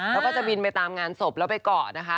แล้วก็จะบินไปตามงานศพแล้วไปเกาะนะคะ